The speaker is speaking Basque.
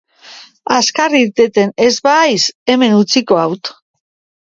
Azkar irteten ez bahaiz hemen utziko haut!